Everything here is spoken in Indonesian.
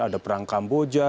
ada perang kamboja